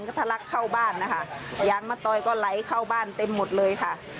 ก็ทะลักเข้าบ้านนะคะยางมะตอยก็ไหลเข้าบ้านเต็มหมดเลยค่ะ